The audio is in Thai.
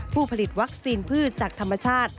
ผู้ผลิตวัคซีนพืชจากธรรมชาติ